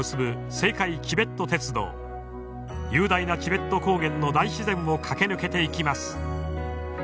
雄大なチベット高原の大自然を駆け抜けていきます。